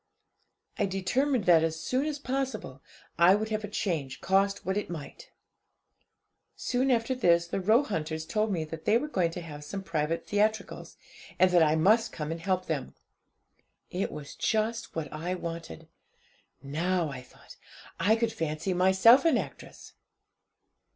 'I determined that, as soon as possible, I would have a change, cost what it might. 'Soon after this the Roehunters told me that they were going to have some private theatricals, and that I must come and help them. It was just what I wanted. Now, I thought, I could fancy myself an actress.